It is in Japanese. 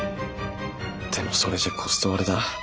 でもそれじゃコスト割れだ。